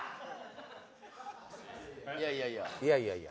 いやいやいやいや